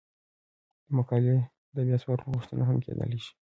د مقالې د بیا سپارلو غوښتنه هم کیدای شي.